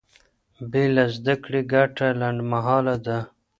بې له زده کړې ګټه لنډمهاله ده.